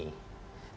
jadi kalau misalkan